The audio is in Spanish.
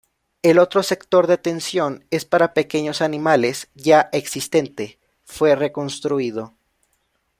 El otro sector de atención es para pequeños animales ya existente, fue reconstruido.